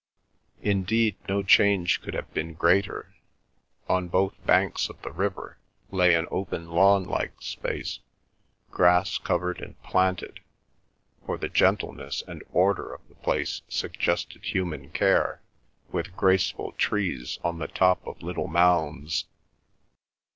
Indeed no change could have been greater. On both banks of the river lay an open lawn like space, grass covered and planted, for the gentleness and order of the place suggested human care, with graceful trees on the top of little mounds.